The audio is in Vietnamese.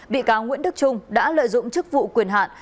bị cáo nguyễn đức trung đã lợi dụng chức vụ quyền hạn